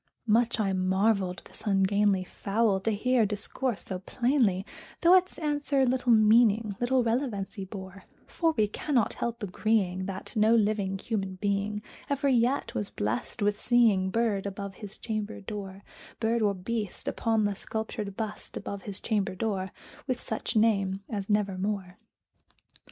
Much I marvelled this ungainly fowl to hear discourse so plainly, Though its answer little meaning little relevancy bore; For we cannot help agreeing that no living human being Ever yet was blessed with seeing bird above his chamber door Bird or beast upon the sculptured bust above his chamber door, With such name as "Nevermore."